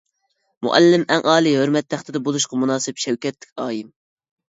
مۇئەللىم ئەڭ ئالىي ھۆرمەت تەختىدە، بولۇشقا مۇناسىپ شەۋكەتلىك ئايىم.